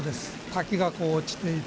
滝がこう落ちていて